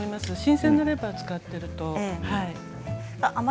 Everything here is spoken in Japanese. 新鮮なレバーを使っていると。